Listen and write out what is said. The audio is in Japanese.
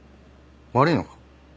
悪いのか？